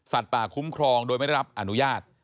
ป่าคุ้มครองโดยไม่ได้รับอนุญาต